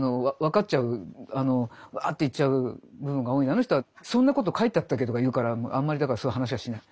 あの人は「そんなこと書いてあったっけ？」とか言うからあんまりだからそういう話はしない。